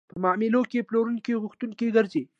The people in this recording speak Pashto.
په دې معاملو کې پلورونکی غوښتونکی ګرځي